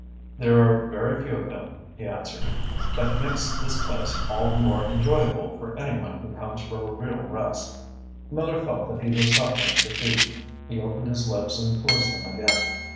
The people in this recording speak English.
"There are very few of them," he answered. "That makes this place all the more enjoyable for any one who comes for a real rest." Miller felt that he was suffering defeat. He opened his lips and closed them again.